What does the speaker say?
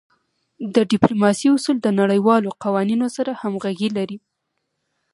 د ډیپلوماسی اصول د نړیوالو قوانینو سره همږغي لری.